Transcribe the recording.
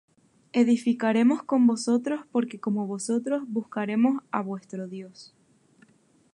Edificaremos con vosotros, porque como vosotros buscaremos á vuestro Dios.